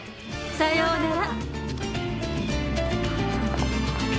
さようなら。